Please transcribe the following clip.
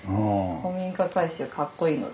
古民家改修かっこいいので。